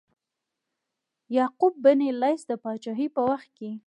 یعقوب بن لیث د پاچهۍ په وخت کې.